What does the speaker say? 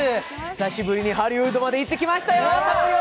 久しぶりにハリウッドまで行ってきましたよ。